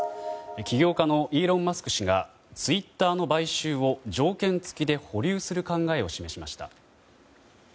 起業家のイーロン・マスク氏がツイッターの買収を条件付きで保留する考えを示しました。